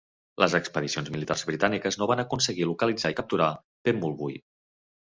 Les expedicions militars britàniques no van aconseguir localitzar i capturar Pemulwuy.